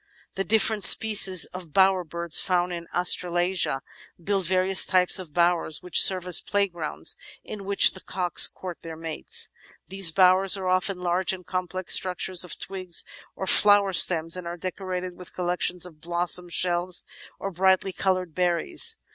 The diflFerent species of Bower birds found in Australasia build various types of "bowers" which serve as playgrounds in which the cocks court their mates. These "bowers" are often large and complex structures of twigs or flower stems and are decorated with collections of blossoms, shells, or brightly coloured berries.